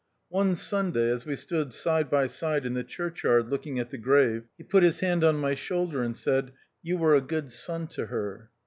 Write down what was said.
One Sunday, as we stood side by side in the churchyard looking at the grave, he put his hand on my shoulder and said, "You were a good son to her."